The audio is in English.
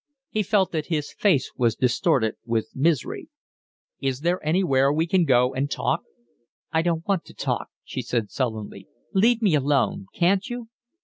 He felt that his face was distorted with misery. "Isn't there anywhere we can go and talk?" "I don't want to talk," she said sullenly. "Leave me alone, can't you?"